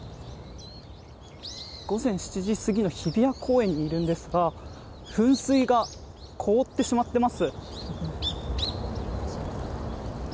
午前７時過ぎの日比谷公園にいるんですが噴水が凍ってしまっています。